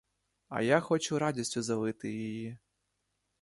А я хочу радістю залити її.